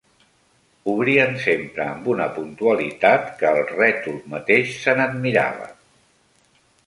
Obrien sempre amb una puntualitat que el rètol mateix se'n admirava.